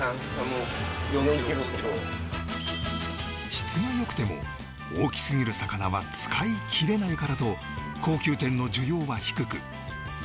質が良くても大きすぎる魚は使いきれないからと高級店の需要は低く値段も安い